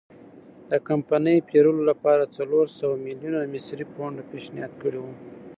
د کمپنۍ پېرلو لپاره څلور سوه میلیونه مصري پونډ پېشنهاد کړي وو.